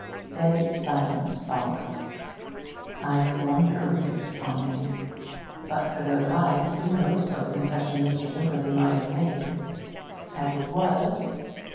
Dead silence followed. Eyes of wonder were fixed upon him. But for those eyes, who knows what confession Mr. Tymperley might have made? As it was...